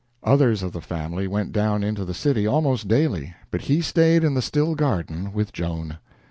Others of the family went down into the city almost daily, but he stayed in the still garden with Joan.